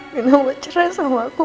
nino mau cerai sama aku